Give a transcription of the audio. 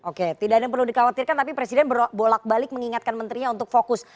oke tidak ada yang perlu dikhawatirkan tapi presiden berbolak balik mengingatkan menterinya untuk fokus